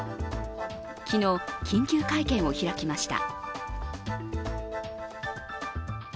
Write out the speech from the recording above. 昨日、緊急会見を開きました。